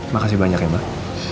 makasih banyak ya mbak